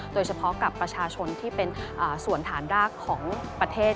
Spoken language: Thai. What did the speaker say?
โดยเฉพาะกับประชาชนที่เป็นส่วนฐานรากของประเทศ